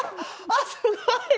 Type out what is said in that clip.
あっすごい！